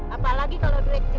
apalagi kalau duit kita kenceng